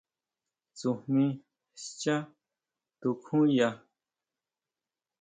¿Tsujmí schá tukjuya?